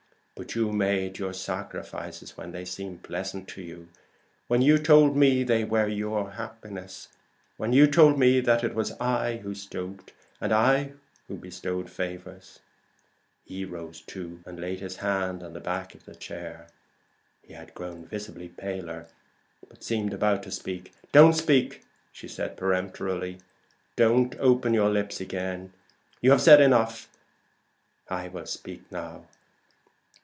But you made your sacrifices when they seemed pleasant to you; when you told me they were your happiness; when you told me that it was I who stooped, and I who bestowed favors." Jermyn rose too, and laid his hand on the back of the chair. He had grown visibly paler, but seemed about to speak. "Don't speak!" Mrs. Transome said peremptorily. "Don't open your lips again. You have said enough; I will speak now.